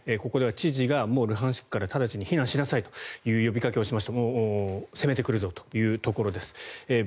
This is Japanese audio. ここでは知事がもうルハンシクから直ちに避難しなさいという呼びかけをしまして攻めてくるぞというところです。